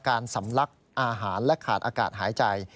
สำลักอาหารและขาดอากาศหายใจ